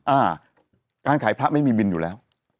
อ่าการขายพระไม่มีบินอยู่แล้ว